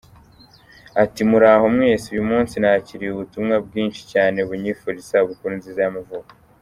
Ati: “Muraho mwese, uyu munsi nakiriye ubutumwa bwinshi cyane bunyifuriza isabukuru nziza y’amavuko.